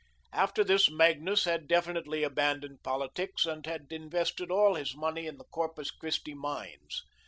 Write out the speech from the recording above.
After this Magnus had definitely abandoned politics and had invested all his money in the Corpus Christi mines.